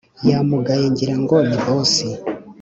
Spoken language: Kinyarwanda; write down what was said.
Yamagaye ngira ngo ni bosi